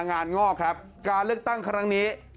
งอกครับการเลือกตั้งครั้งนี้